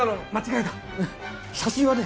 写真はね